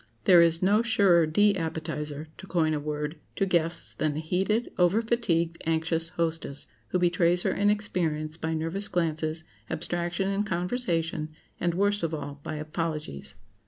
There is no surer de appetizer—to coin a word—to guests than a heated, over fatigued, anxious hostess, who betrays her inexperience by nervous glances, abstraction in conversation, and, worst of all, by apologies.